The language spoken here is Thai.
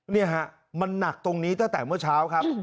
นี่ฮะมันหนักตรงนี้ตั้งแต่เมื่อเช้าครับ